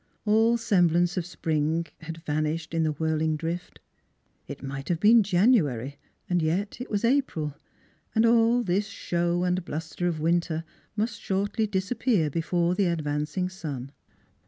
All sem blance of spring had vanished in the whirling drift; it might have been January, and yet it was April, and all this show and bluster of winter must shortly disappear before the advancing sun.